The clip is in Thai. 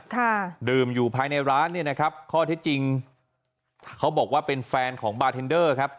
ค่ะดื่มอยู่ภายในร้านเนี่ยนะครับข้อที่จริงเขาบอกว่าเป็นแฟนของบาร์เทนเดอร์ครับ